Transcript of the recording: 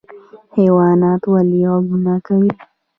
حیوانات ولې غږونه کوي؟